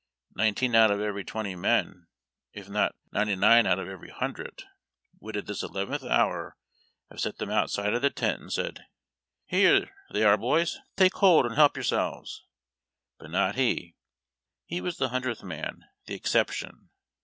Nineteen out of every twenty men, if not ninety nine out of every hundred, would at this eleventh hour have set them outside of the tent and said, "Here they are, boys. Take hold and help yourselves !" But not he. He was the hundredth man, the exception.